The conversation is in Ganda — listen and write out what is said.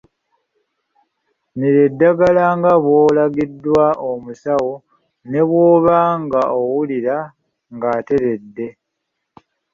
Mira eddagala nga bw'olagiddwa omusawo ne bw'oba nga owulira nga ateredde.